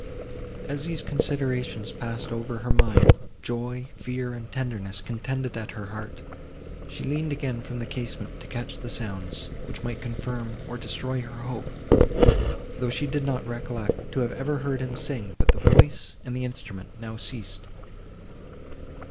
As these considerations passed over her mind, joy, fear and tenderness contended at her heart; she leaned again from the casement to catch the sounds, which might confirm, or destroy her hope, though she did not recollect to have ever heard him sing; but the voice, and the instrument, now ceased.